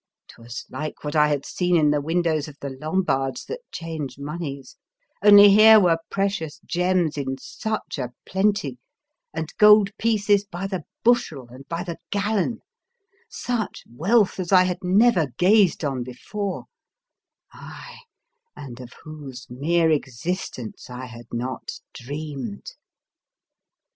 'Twas like what I had seen in the windows of the Lombards that change moneys, only here were precious gems in such a plenty and gold pieces by the bushel and by the gallon ; such wealth as I had never gazed on before — aye, and of whose mere existence I had not dreamed.